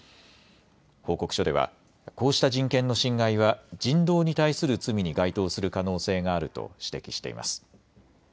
報告書ではこうした人権の侵害は人道に対する罪に該当する可能性があると指摘しています。